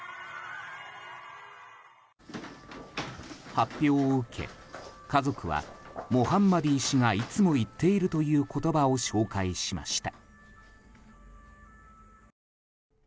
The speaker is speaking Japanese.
発表を受け家族はモハンマディ氏がいつ持っているという言葉を紹介しました。